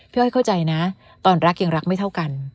อ้อยเข้าใจนะตอนรักยังรักไม่เท่ากัน